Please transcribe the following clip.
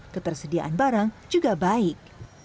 ketersediaan barang juga baik